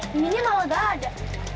mimpinya malah udah ada